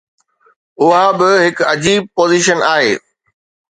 اها به هڪ عجيب پوزيشن آهي.